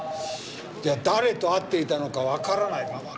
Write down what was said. じゃあ誰と会っていたのかわからないままか。